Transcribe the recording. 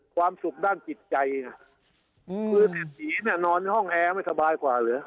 ความสุขด้านจิตใจอืมคือแบบนี้เนี่ยนอนในห้องแอร์ไม่สบายกว่าเหรอ